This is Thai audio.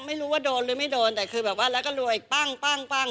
ไม่รู้ว่าโดนหรือไม่โดนแต่คือแบบว่าแล้วก็รวยปั้งปั้ง